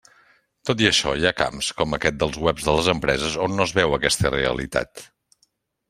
Tot i això, hi ha camps, com aquest dels webs de les empreses on no es veu aquesta realitat.